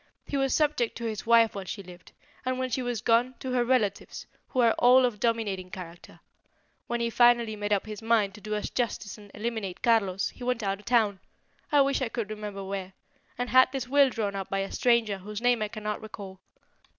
He was subject to his wife while she lived, and when she was gone, to her relatives, who are all of a dominating character. When he finally made up his mind to do us justice and eliminate Carlos, he went out of town I wish I could remember where and had this will drawn up by a stranger, whose name I cannot recall."